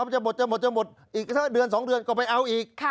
จะหมดจะหมดจะหมดอีกสักเดือน๒เดือนก็ไปเอาอีก